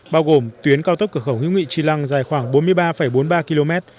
bao gồm tuyến cao tốc cửa khẩu hữu nghị tri lăng dài khoảng bốn mươi ba bốn mươi ba km